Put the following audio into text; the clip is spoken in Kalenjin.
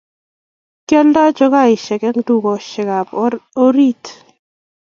kioldoen chokaisiek eng' dukosiekab orit.